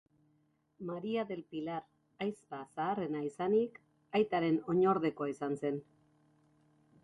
Maria del Pilar, ahizpa zaharrena izanik, aitaren oinordekoa izan zen.